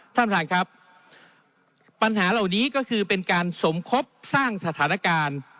ท่านประธานครับปัญหาเหล่านี้ก็คือเป็นการสมคบสร้างสถานการณ์